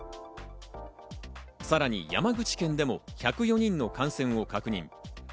さらに山口県でも１０４人の感染を確認。